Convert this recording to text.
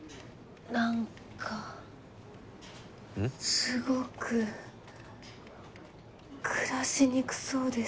何かすごく暮らしにくそうです。